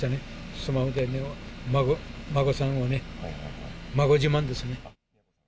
スマホで孫さんをね、孫自慢ですね。